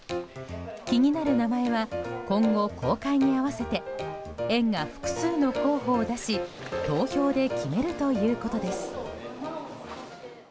気になる名前は今後、公開に合わせて園が複数の候補を出し投票で決めるということです。